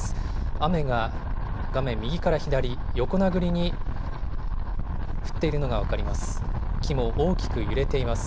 雨が画面右から左、横殴りに降っているのが分かります。